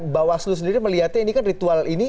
bapak waslu sendiri melihatnya ini kan ritual ini